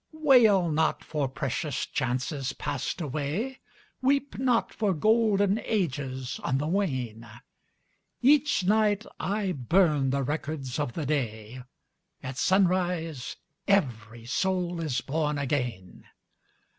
[ 27 ] Selected Poems Wail not for precious chances passed away, Weep not for golden ages on the wane ! Each night I burn the records of the day, — At sunrise every soul is born again